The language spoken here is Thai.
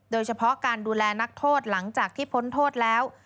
โดยเฉพาะการดูแลนักโทษหลังจากที่พ้นโทษแล้ว